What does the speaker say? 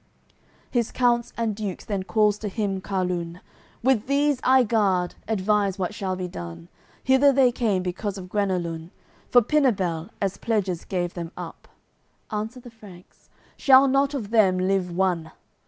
CCLXXXVIII His counts and Dukes then calls to him Carlun: "With these I guard, advise what shall be done. Hither they came because of Guenelun; For Pinabel, as pledges gave them up." Answer the Franks: "Shall not of them live one."